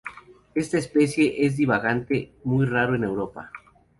Esta especie es un divagante muy raro en Europa.